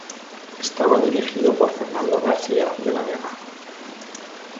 Estaba dirigido por Fernando García de la Vega.